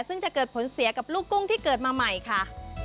ซึ่งจะเกิดผลเสียกับลูกกุ้งที่เกิดมาใหม่ค่ะ